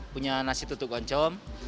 punya nasi tutuk oncom